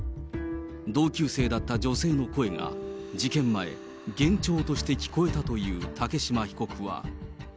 同級生だった女性の声が事件前、幻聴として聞こえたという竹島被告は。